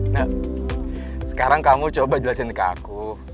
nah sekarang kamu coba jelasin ke aku